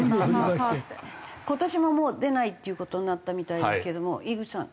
今年ももう出ないっていう事になったみたいですけども井口さん